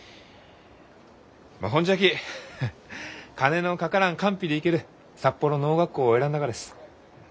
ほんじゃきフッ金のかからん官費で行ける札幌農学校を選んだがです。